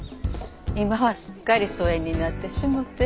今はすっかり疎遠になってしもて。